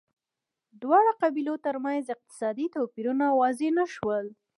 دواړو قبیلو ترمنځ اقتصادي توپیرونه واضح نه شول